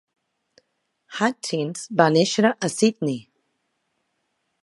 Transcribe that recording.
Hutchins va néixer a Sydney.